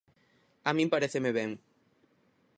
A min paréceme ben.